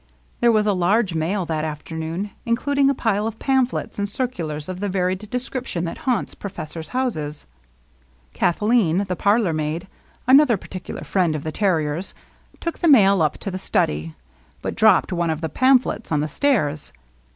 There was a large mail that afternoon, including a pile of pamphlets and circulars of the varied description that haunts professors' houses. Kathleen, the parlor maid, — another particular friend of the terrier's — took the mail up to the LOVELINESS. 5 study^ but dropped one of the pamphlets on the stairs.